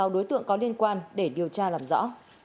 sáu đối tượng có liên quan để điều tra làm rõ